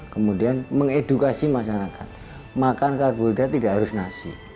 kemudian mengedukasi masyarakat makan karbohidrat tidak harus nasi